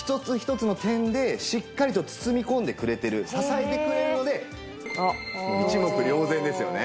１つ１つの点でしっかりと包み込んでくれてる支えてくれるので一目瞭然ですよね